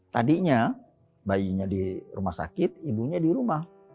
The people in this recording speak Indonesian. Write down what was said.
tadinya bayinya di rumah sakit ibunya di rumah